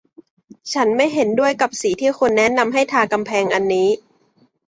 ฉันไม่เห็นด้วยกับสีที่คุณแนะนำให้ทากำแพงอันนี้